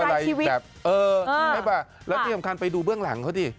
แล้วก็ขวัญถึงเป็นไปดูเบื้องหลังเขาดิ